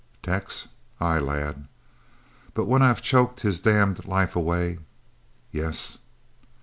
"Tex!" "Ay, lad." "But when I've choked his damned life away " "Yes?"